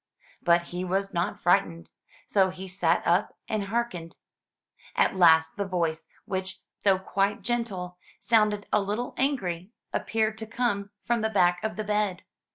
But he was not frightened; so he sat up and hearkened. At last the voice, which, though quite gentle, sounded a little angry, appeared to come from the back of the bed.